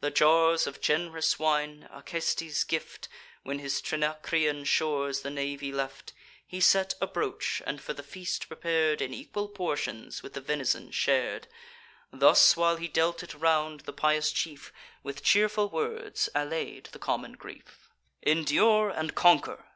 The jars of gen'rous wine (Acestes' gift, When his Trinacrian shores the navy left) He set abroach, and for the feast prepar'd, In equal portions with the ven'son shar'd. Thus while he dealt it round, the pious chief With cheerful words allay'd the common grief: "Endure, and conquer!